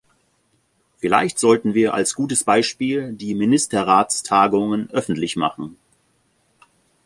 Vielleicht sollten wir als gutes Beispiel die Ministerratstagungen öffentlich machen?